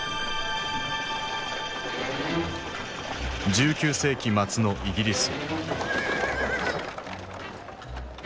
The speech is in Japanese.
１９世紀末のイギリス。